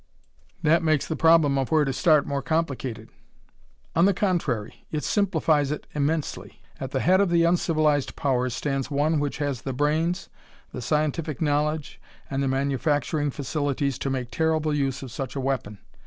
"That makes the problem of where to start more complicated." "On the contrary, it simplifies it immensely. At the head of the uncivilized powers stands one which has the brains, the scientific knowledge and the manufacturing facilities to make terrible use of such a weapon.